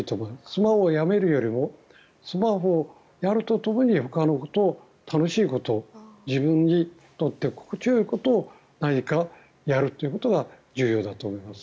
スマホをやめるよりもスマホをやるとともにほかのこと、楽しいことを自分にとって心地よいことを何かやるということが重要だと思います。